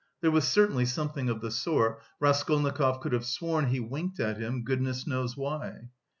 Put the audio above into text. There was certainly something of the sort, Raskolnikov could have sworn he winked at him, goodness knows why.